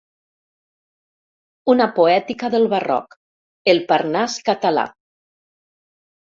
«Una poètica del Barroc: el Parnàs català».